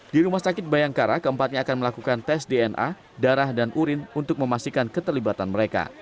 di rumah sakit bayangkara keempatnya akan melakukan tes dna darah dan urin untuk memastikan keterlibatan mereka